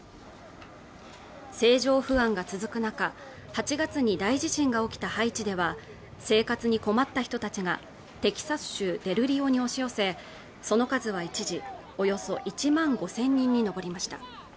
政情不安が続く中、８月に大地震が起きたハイチでは、生活に困った人たちが、テキサス州デル・リオに押し寄せ、その数は一時、およそ１万５０００人に上りました。